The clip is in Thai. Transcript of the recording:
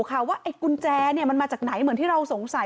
ว่าไอ้กุญแจมันมาจากไหนเหมือนที่เราสงสัย